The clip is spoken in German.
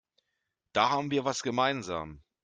Da haben wir was gemeinsam.